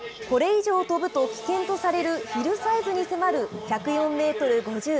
これ以上飛ぶと危険とされるヒルサイズに迫る、１０４メートル５０。